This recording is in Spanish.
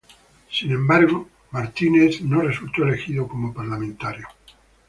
Sin embargo, Forsyth no resultó elegido como parlamentario.